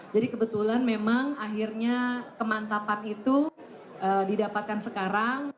jadi kebetulan memang akhirnya kemantapan itu didapatkan sekarang